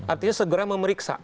artinya segera memeriksa